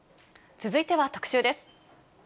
続いては特集です。